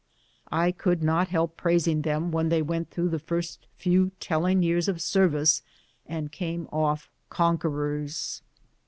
I could not help "praising them when they went through the first few telling years of service and came off conquerors.